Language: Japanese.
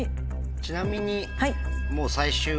ちなみに。